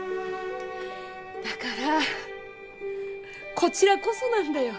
だからこちらこそなんだよ！